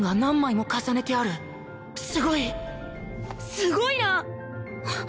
すごいな！